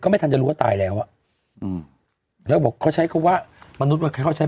มินริวินาทีใช่